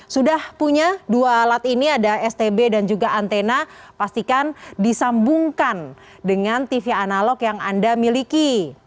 sudah punya dua alat ini ada stb dan juga antena pastikan disambungkan dengan tv analog yang anda miliki